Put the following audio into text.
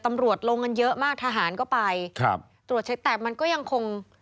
ตำรวจลงกันเยอะมากทหารก็ไปครับตรวจเช็คแต่มันก็ยังคง